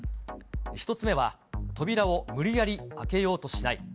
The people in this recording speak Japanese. １つ目は扉を無理やり開けようとしない。